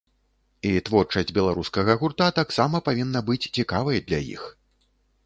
І творчасць беларускага гурта таксама павінна быць цікавай для іх.